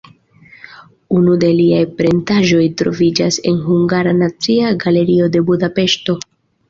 Unu de liaj pentraĵoj troviĝas en Hungara Nacia Galerio de Budapeŝto.